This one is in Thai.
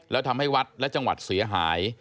แล้วทำให้วัดและจังหวัดเสียหาย